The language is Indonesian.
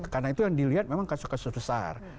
karena itu yang dilihat memang kasus kasus besar